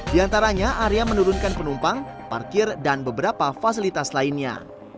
di antaranya area menurunkan penumpang parkir dan beberapa fasilitas lainnya